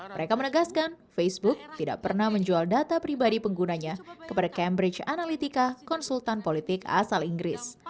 mereka menegaskan facebook tidak pernah menjual data pribadi penggunanya kepada cambridge analytica konsultan politik asal inggris